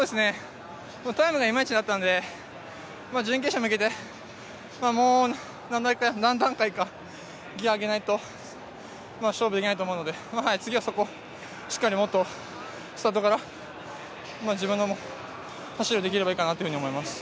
タイムがイマイチだったんで準決勝に向けてもう何段階かギアを上げないと勝負ができないと思うので次はそこをしっかり、もっとスタートから自分の走りができればいいかなと思います。